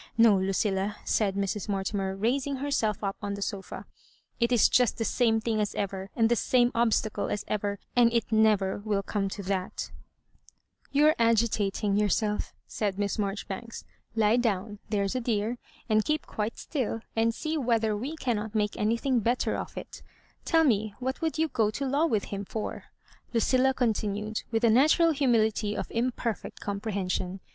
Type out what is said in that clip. No, Lucilla," said Mrs. Mortimer, raising herself up on the sofa, " it is just the same thing as ever, and the same obstacle as ever, and it never will come to thaV* •* You are agitating yoursol^" said Miss Marjo ribanks; "lie down— there's a dear — and keep quite still, and see whether we cannot make anything better of it Tell me what would you go to law with him for ?" Lucilla continued, with the natural humility of imperfect compre hension.